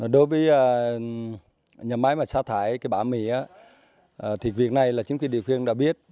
đối với nhà máy mà xa thải cái bã mì thì việc này là chính quyền địa khuyên đã biết